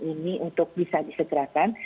ini untuk bisa disederakan